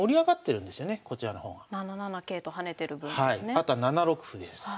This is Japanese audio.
あとは７六歩です。